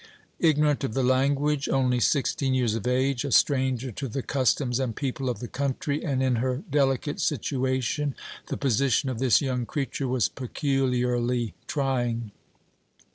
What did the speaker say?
Ignorant of the language, only sixteen years of age, a stranger to the customs and people of the country, and in her delicate situation, the position of this young creature was peculiarly trying.